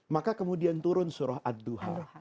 maka kemudian turun surah ad duha